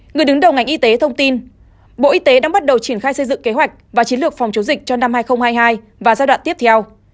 người đứng đầu ngành y tế thông tin bộ y tế đang bắt đầu triển khai xây dựng kế hoạch và chiến lược phòng chống dịch cho năm hai nghìn hai mươi hai và giai đoạn tiếp theo